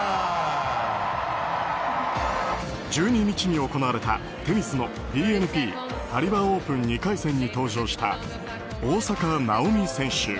１２日に行われたテニスのＢＮＰパリバ・オープン２回戦に登場した大坂なおみ選手。